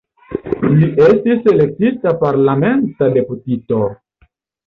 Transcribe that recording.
Li estis elektita parlamenta deputito.